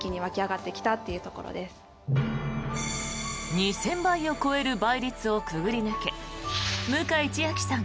２０００倍を超える倍率をくぐり抜け向井千秋さん